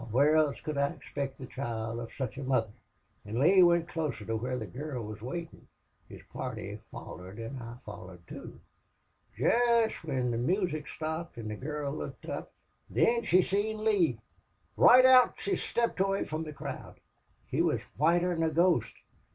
where else could I expect the child of such a mother?' "An' Lee went closer to where the gurl was waitin'. His party follered an' I follered too.... Jest whin the moosic sthopped an' the gurl looked up thin she seen Lee. Roight out he sthepped away from the crowd. He wuz whiter 'n a ghost.